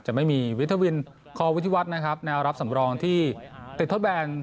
จะไม่มีวิทวินคอวิทยาวัฒน์นะครับแนวรับสำรองที่ติดทดแบน